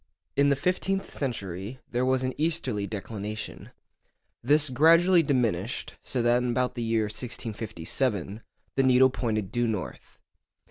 In the fifteenth century there was an easterly declination. This gradually diminished, so that in about the year 1657 the needle pointed due north.